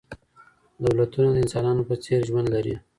دولتونه د انسانانو په څېر ژوند لري.